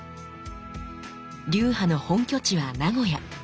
流派の本拠地は名古屋。